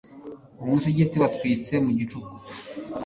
umusigiti watwitse mu gicuku